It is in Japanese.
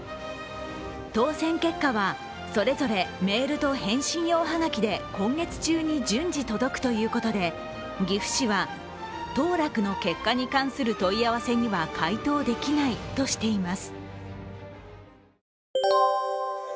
当選結果はそれぞれメールと返信用はがきで今月中に順次届くということで、岐阜市は当落の結果に関する問い合わせには回答できないとしています。